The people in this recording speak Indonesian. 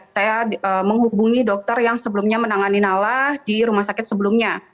saya menghubungi dokter yang sebelumnya menangani nala di rumah sakit sebelumnya